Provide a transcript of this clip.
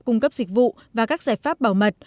cung cấp dịch vụ và các giải pháp bảo mật